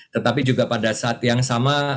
tetapi juga pada saat yang sama